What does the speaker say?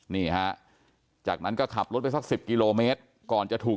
นี่ฮะจากนั้นก็ขับรถไปสัก๑๐กิโลเมตรก่อนจะถูก